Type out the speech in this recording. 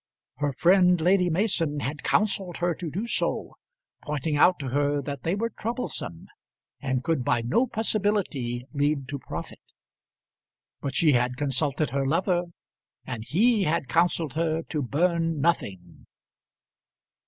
Her friend, Lady Mason, had counselled her to do so, pointing out to her that they were troublesome, and could by no possibility lead to profit; but she had consulted her lover, and he had counselled her to burn nothing.